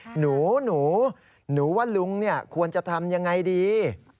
หนูหนูว่าลุงควรจะทำยังไงดี